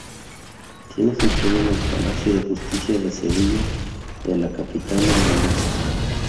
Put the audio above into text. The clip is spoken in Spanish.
Tiene su sede en el Palacio de Justicia de Sevilla de la capital andaluza.